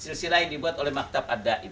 silsilain dibuat oleh maktab adaimi